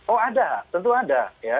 oh ada tentu ada